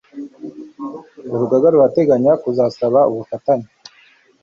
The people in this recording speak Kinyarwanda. urugaga rurateganya kuzasaba ubufatanye